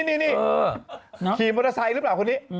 นี่ขี่มอเตอร์ไซค์หรือเปล่าคนนี้